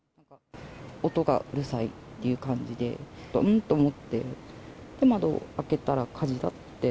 音がうるさいっていう感じで、ん？と思って、窓を開けたら火事だって。